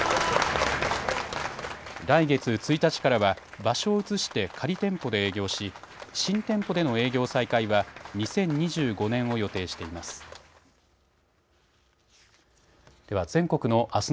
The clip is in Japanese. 来月１日からは場所を移して仮店舗で営業し新店舗での営業再開は２０２５年を予定しています。